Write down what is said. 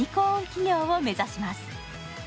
企業を目指します。